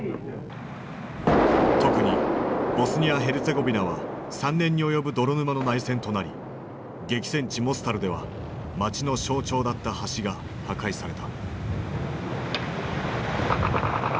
特にボスニア・ヘルツェゴビナは３年に及ぶ泥沼の内戦となり激戦地モスタルでは町の象徴だった橋が破壊された。